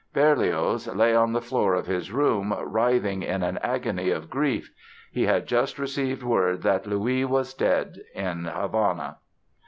Berlioz lay on the floor of his room, writhing in an agony of grief. He had just received word that Louis was dead in Havana!